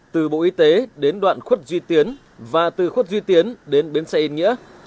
từ bộ y tế đến đoạn khuất duy tiến và từ khuất duy tiến đến bến xe yên nghĩa